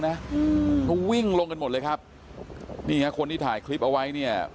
อืมเขาวิ่งลงกันหมดเลยครับนี่ฮะคนที่ถ่ายคลิปเอาไว้เนี่ย